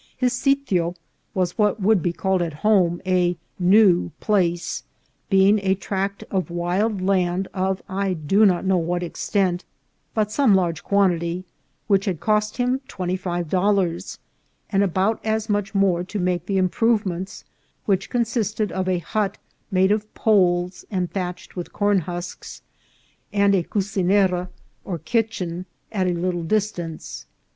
His sitio was what would be called at home a " new" place, being a tract of wild land of I do not know what extent, but some large quantity, which had cost him twenty five dollars, and about as much ADVENTURE WITH AN APE. 367 more to make the improvements, which consisted of a hut made of poles and thatched with corn husks, and a cucinera or kitchen at a little distance.